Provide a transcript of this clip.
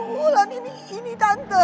wulan wulan ini tante